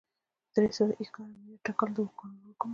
د درې سوه ایکره معیار ټاکل د قانون حکم و.